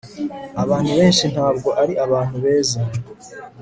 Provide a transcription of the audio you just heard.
abantu benshi ntabwo ari abantu beza